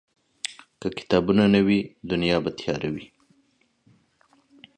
که کتابونه نه وي، دنیا به تیاره وي.